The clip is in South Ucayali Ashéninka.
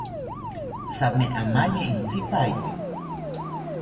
Thame amaye intzipaete